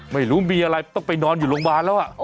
ไม่รู้มีอะไรต้องไปนอนอยู่โรงพยาบาลแล้ว